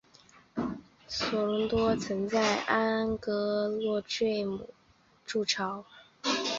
索隆多曾在安戈洛坠姆筑巢。